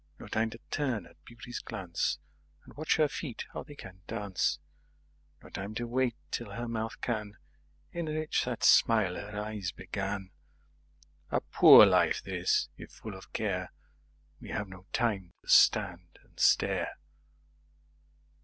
9No time to turn at Beauty's glance,10And watch her feet, how they can dance.11No time to wait till her mouth can12Enrich that smile her eyes began.13A poor life this if, full of care,14We have no time to stand and stare.